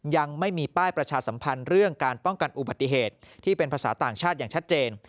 ยังไม่มีป้ายประชาสัมพันธ์เรื่องการป้องกันอุบัติเหตุที่เป็นภาษาต่างชาติอย่างชัดเจน